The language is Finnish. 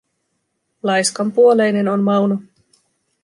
Laiskanpuoleinen on Mauno.